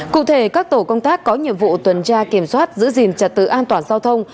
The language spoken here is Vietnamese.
cụ thể các tổ công tác có nhiệm vụ tuần tra kiểm soát giữ gìn trật tự an toàn giao thông